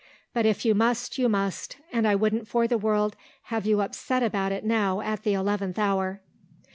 But if you must you must, and I wouldn't for the world have you upset about it now at the eleventh hour."